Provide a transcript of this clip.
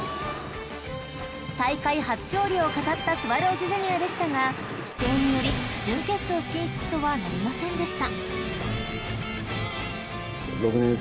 ［大会初勝利を飾ったスワローズジュニアでしたが規定により準決勝進出とはなりませんでした］